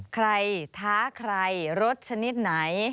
ท้าใครรถชนิดไหน